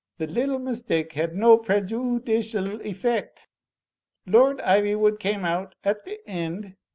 The little mistake had no preju udicial effect. Lord Ivywood came out, at the end.